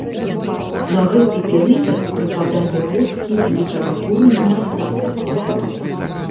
На гэты перыяд прыпадае росквіт літаратуры і мастацтва.